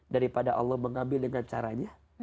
daripada allah mengambil dengan caranya